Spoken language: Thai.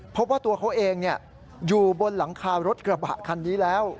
พบว่าตัวเขาเองอยู่บนหลังคารถกระบะคันนี้แล้ว